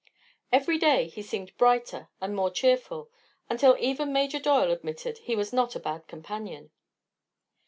Every day he seemed brighter and more cheerful, until even Major Doyle admitted he was not a bad companion.